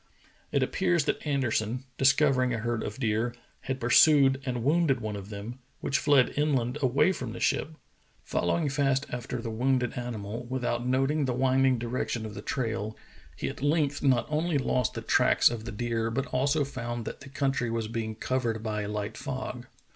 It appears that Anderson, discovering a herd of deer, had pursued and wounded one of them, which fled inland away from the ship. Following fast after the wounded animal, without noting the winding direction of the trail, he at length not only lost the tracks of the deer but also found that the country was being covered by a Hght fog.